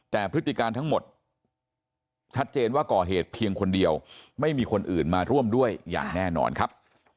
แต่พฤติการทั้งหมดชัดเจนว่าก่อเหตุเพียงคนเดียวไม่มีคนอื่นมาร่วมด้วยอย่างแน่นอนครับ